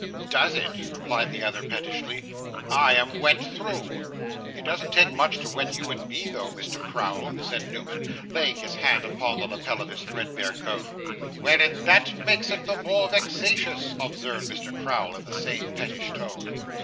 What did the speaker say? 'Does it?' replied the other pettishly. 'I am wet through.' 'It doesn't take much to wet you and me through, Mr. Crowl,' said Newman, laying his hand upon the lappel of his threadbare coat. 'Well; and that makes it the more vexatious,' observed Mr. Crowl, in the same pettish tone.